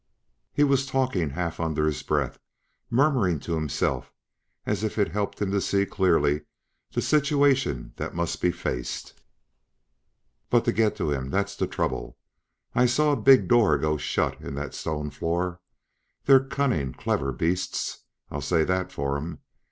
He was talking half under his breath, murmuring to himself as if it helped him to see clearly the situation that must be faced. "But to get to him that's the trouble. I saw a big door go shut in that stone floor. They're cunnin', clever beasts; I'll say that for 'em.